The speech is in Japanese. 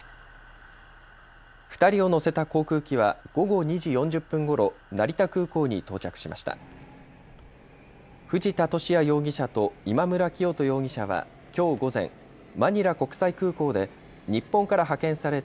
２人を乗せた航空機は午後２時４０分ごろ、成田空港に到着しました。